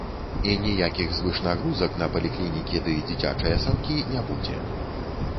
І ніякіх звышнагрузак на паліклінікі ды дзіцячыя садкі не будзе.